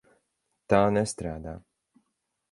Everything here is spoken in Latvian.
Tā nestrādā.